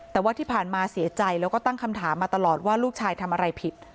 แต่ว่าที่ผ่านมาเสียใจแล้วก็ตั้งคำถามมาตลอดว่าลูกชายทำอะไรผิด